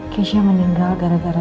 keisha meninggal gara gara